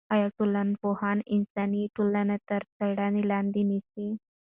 آیا ټولنپوهنه انساني ټولنې تر څېړنې لاندې نیسي؟